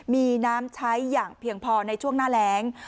มีน้ำใช้อย่างเพียงพอในช่วงหน้าแรง